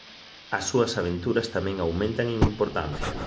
As súas aventuras tamén aumentan en importancia.